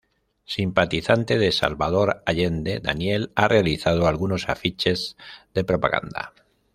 Simpatizante de Salvador Allende, Daniel ha realizado algunos afiches de propaganda.